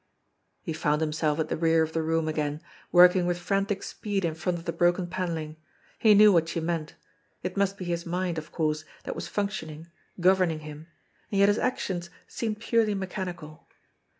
He found himself at the rear of the room again, working with frantic speed in front of the broken panelling. He knew what she meant; it must be his mind, of course, that was functioning, governing him, and yet his actions seemed purely mechanical.